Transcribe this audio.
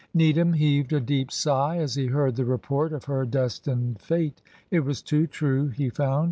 Needham heaved a deep sigh as he heard the report of her destined fate. It was too true, he found.